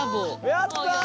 やったー！